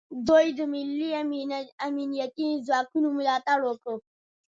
دوی د ملي امنیتي ځواکونو ملاتړ وکړ